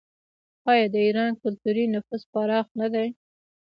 آیا د ایران کلتوري نفوذ پراخ نه دی؟